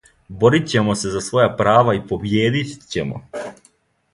Борит ћемо се за своја права и побиједит ћемо.